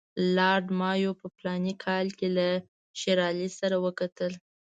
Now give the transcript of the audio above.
لارډ مایو په فلاني کال کې له شېر علي سره وکتل.